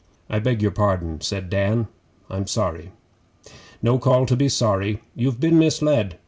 'I beg your pardon,' said Dan. 'I'm sorry. 'No call to be sorry. You've been misled.